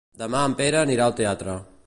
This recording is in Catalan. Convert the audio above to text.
Demà en Pere anirà al teatre.